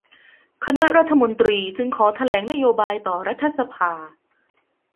คณะรัฐมนตรีจึงขอแถลงนโยบายต่อรัฐสภา